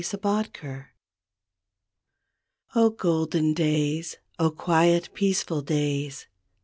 lO OCTOBER 0, golden days! 0, quiet, peaceful days!